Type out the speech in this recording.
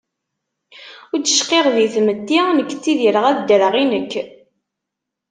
Ur d cqiɣ di tmetti, nekk ttidireɣ ad ddreɣ i nekk.